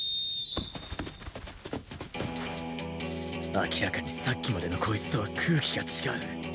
明らかにさっきまでのこいつとは空気が違う